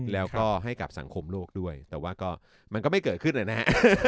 แล้วก็ให้กับสังคมโลกด้วยแต่ว่าก็มันก็ไม่เกิดขึ้นนะฮะ